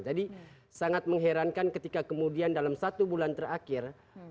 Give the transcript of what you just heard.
jadi sangat mengherankan ketika kemudian dalam satu bulan terakhir